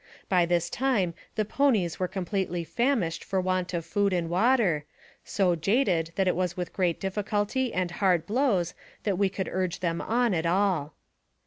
By this time the ponies were completely famished for want of food and water, so jaded that it was with great difficulty and hard blows that we could urge them on at all.